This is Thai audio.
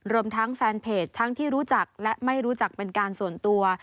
รวมทั้งแฟนเพจทั้งที่รู้จักและไม่รู้จักเป็นการส่วนตัว